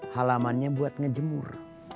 halamannya buat ngejemur